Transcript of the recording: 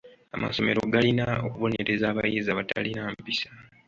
Amasomero galina okubonereba abayizi abatalina mpisa.